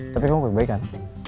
tapi kamu baik baik kan